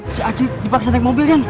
si acil dipaksa naik mobil jan